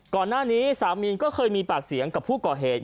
ก่อนหน้านี้สามีก็เคยมีปากเสียงกับผู้ก่อเหตุ